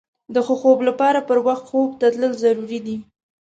د ښه خوب لپاره پر وخت خوب ته تلل ضروري دي.